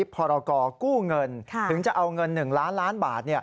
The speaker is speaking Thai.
พรกู้เงินถึงจะเอาเงิน๑ล้านล้านบาท